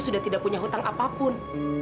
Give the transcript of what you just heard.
sudah tidak punya hutang apapun